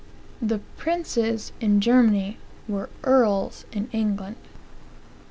"The princes in Germany were earls in England.